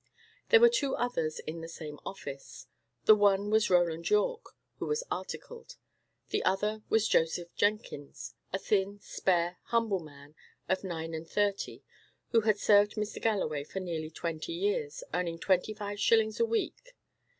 There were two others in the same office. The one was Roland Yorke, who was articled; the other was Joseph Jenkins, a thin, spare, humble man of nine and thirty, who had served Mr. Galloway for nearly twenty years, earning twenty five shillings a week.